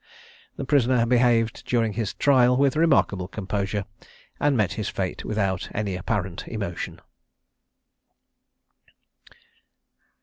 The prisoner behaved during his trial with remarkable composure, and met his fate without any apparent emotion.